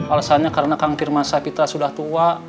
alasannya karena kang pirman sahpitra sudah tua